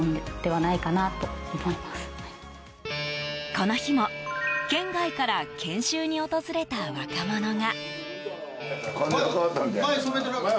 この日も県外から研修に訪れた若者が。